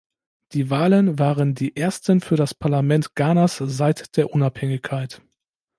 Die Wahlen waren die ersten für das Parlament Ghanas seit der Unabhängigkeit.